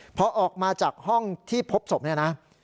พอออกมาจากห้องที่พบศพเนี่ยนะ